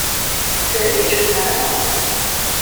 Her age is not known.